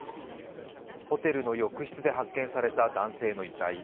ホテルの浴室で発見された男性の遺体。